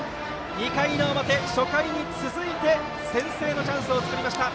２回の表、初回に続いて先制のチャンスを作りました。